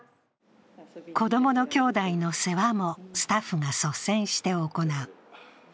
子供の兄弟の世話もスタッフが率先して行う。